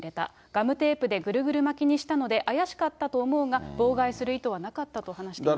ガムテープでぐるぐる巻きにしたので、怪しかったと思うが、妨害する意図はなかったと話していました。